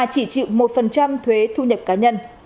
chỉ chịu một thuế thu nhập cá nhân